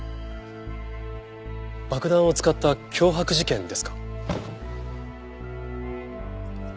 爆弾を使った脅迫事件ですか。